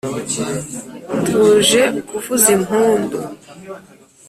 tuje kuvuza impundu